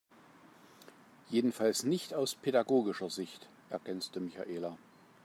Jedenfalls nicht aus pädagogischer Sicht, ergänzte Michaela.